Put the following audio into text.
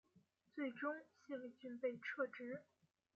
最终谢维俊被撤职。